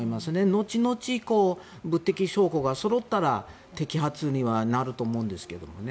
後々、物的証拠がそろったら摘発にはなると思うんですがね。